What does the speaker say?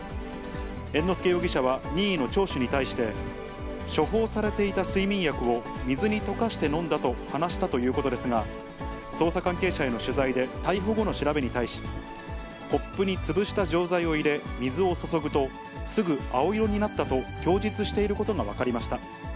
猿之助容疑者は任意の聴取に対して、処方されていた睡眠薬を水に溶かして飲んだと話したということですが、捜査関係者への取材で、逮捕後の調べに対し、コップに潰した錠剤を入れ、水を注ぐと、すぐ青色になったと供述していることが分かりました。